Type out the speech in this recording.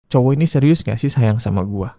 cowok ini serius gak sih sayang sama gue